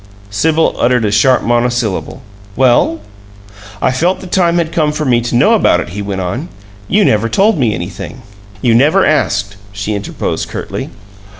Sibyl uttered a sharp monosyllable. "Well?" "I felt the time had come for me to know about it," he went on. "You never told me anything " "You never asked," she interposed, curtly.